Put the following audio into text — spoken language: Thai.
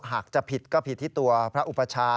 หากจะผิดก็ผิดที่ตัวพระอุปชา